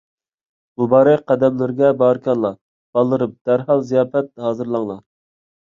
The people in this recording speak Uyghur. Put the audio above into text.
مۇبارەك قەدەملىرىگە بارىكاللاھ، بالىلىرىم، دەرھال زىياپەت ھازىرلاڭلار!